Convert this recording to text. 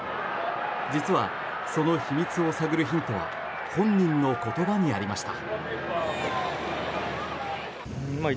実はその秘密を探るヒントは本人の言葉にありました。